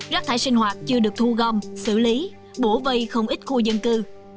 rác thải sinh hoạt chưa được thu gom xử lý bổ vây không ít khu dân cư